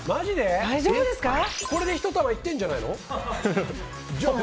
これで１玉いってるんじゃないの？